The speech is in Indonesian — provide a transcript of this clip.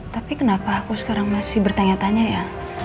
tapi kenapa aku sekarang masih bertanya tanya ya